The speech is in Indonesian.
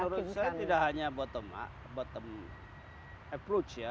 menurut saya tidak hanya bottom up bottom approach ya